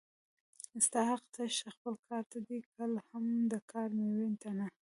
ستا حق تش خپل کار ته دی کله هم د کار مېوې ته نه